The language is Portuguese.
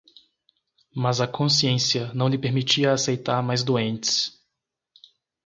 mas a consciência não lhe permitia aceitar mais doentes.